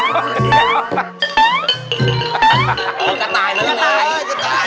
กระต่ายหนึ่ง